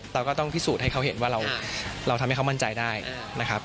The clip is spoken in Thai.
เราก็ต้องพิสูจน์ให้เขาเห็นว่าเราทำให้เขามั่นใจได้นะครับ